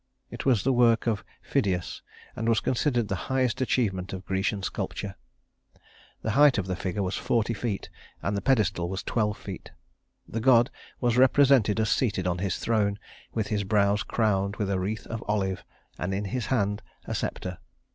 It was the work of Phidias, and was considered the highest achievement of Grecian sculpture. The height of the figure was forty feet, and the pedestal was twelve feet. The god was represented as seated on his throne, with his brows crowned with a wreath of olive and in his hand a scepter.